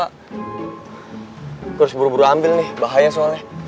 gue harus buru buru ambil nih bahaya soalnya